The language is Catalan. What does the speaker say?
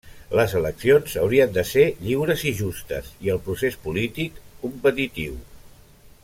Les eleccions haurien de ser lliures i justes i el procés polític, competitiu.